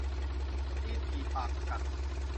ตีนถีบปากกัด